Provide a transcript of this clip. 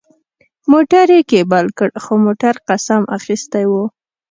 موټر یې کېبل کړ، خو موټر قسم اخیستی و.